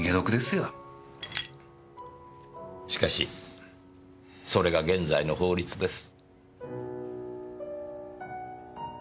しかしそれが現在の法律です。